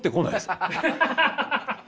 ハハハハハ！